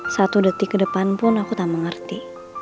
satu detik ke depan pun aku tak mengerti